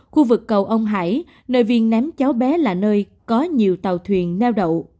khu vực cầu ông hải nơi viên ném cháu bé là nơi có nhiều tàu thuyền neo đậu